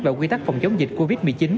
và quy tắc phòng chống dịch covid một mươi chín